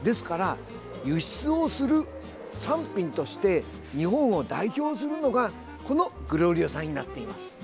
輸出をする産品として日本を代表するのがこのグロリオサになっています。